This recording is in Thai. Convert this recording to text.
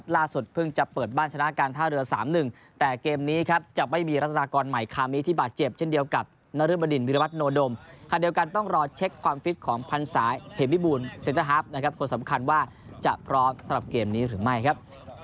เห็นวิบูลเซ็นเตอร์ฮัฟท์นะครับคนสำคัญว่าจะพร้อมสำหรับเกมนี้ถึงไม่ครับ